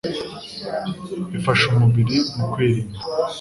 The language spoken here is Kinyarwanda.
ifasha umubiri mu kwirinda